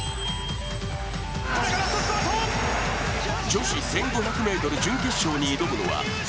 女子１５００ｍ準決勝に挑むのは